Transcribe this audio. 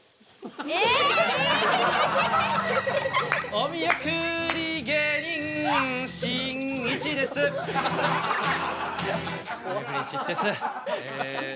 お見送り芸人しんいちですえ